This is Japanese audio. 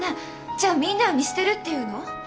じゃあみんなは見捨てるって言うの？